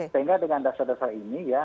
sehingga dengan dasar dasar ini ya